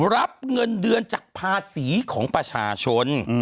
รับเงินเดือนจากภาษีของประชาชน